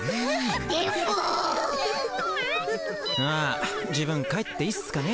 あ自分帰っていいっすかね。